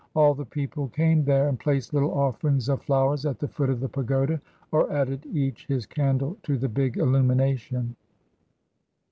All the people came there, and placed little offerings of flowers at the foot of the pagoda, or added each his candle to the big illumination.